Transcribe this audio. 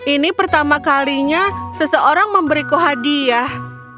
ini pertama kalinya seseorang memberiku hadiah